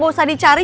kamu bisa cari